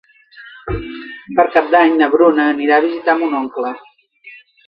Per Cap d'Any na Bruna anirà a visitar mon oncle.